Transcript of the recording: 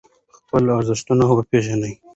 خپل ارزښتونه وپیژنو.